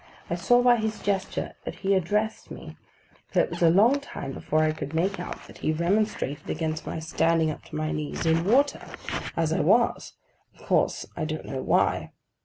I saw by his gestures that he addressed me; but it was a long time before I could make out that he remonstrated against my standing up to my knees in water—as I was; of course I don't know why.